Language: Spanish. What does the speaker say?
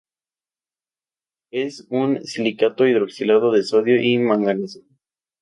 Es un silicato hidroxilado de sodio y manganeso.